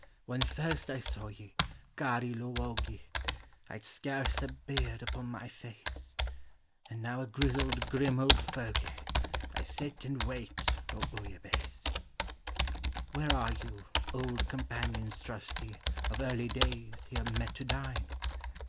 When first I saw ye, Cari luoyhi, I 'd scarce a beard upon my face, And now a grizzled, grim old fogy, I sit and wait for Bouillabaisse. Where are you, old companions trusty Of earlv days, here met to dine?